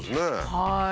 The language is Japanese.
はい。